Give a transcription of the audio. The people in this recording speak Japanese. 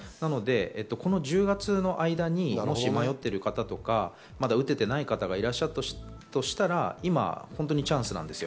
この１０月の間に迷っている方とか、打てていない方がいらっしゃったとしたら今はチャンスなんです。